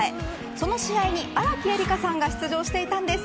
その試合に、荒木絵里香さんが出場していたんです。